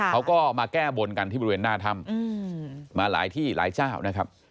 เขาก็มาแก้บนกันที่บริเวณหน้าถ้ำมาหลายที่หลายเจ้านะครับ